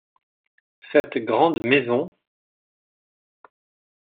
Cette grande maison...